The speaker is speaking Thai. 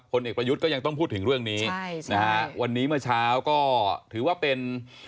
เอกประยุทธ์ก็ยังต้องพูดถึงเรื่องนี้ใช่นะฮะวันนี้เมื่อเช้าก็ถือว่าเป็น